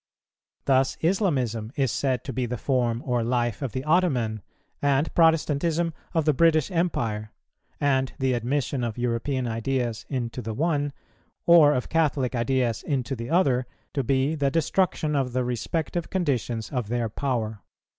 Thus Islamism is said to be the form or life of the Ottoman, and Protestantism of the British Empire, and the admission of European ideas into the one, or of Catholic ideas into the other, to be the destruction of the respective conditions of their power.